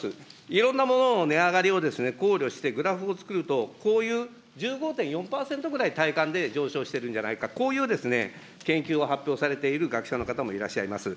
いろんなものの値上がりを考慮してグラフをつくると、こういう１５．４％ぐらい、体感で上昇してるんじゃないか、こういう研究を発表されている学者の方もいらっしゃいます。